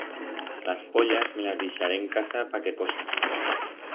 Las pollas me las dixaré en casa pa que posen.